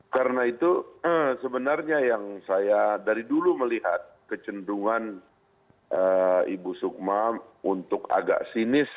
karena itu sebenarnya yang saya dari dulu melihat kecendungan ibu sukma untuk agak sinis